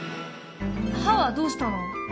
歯はどうしたの？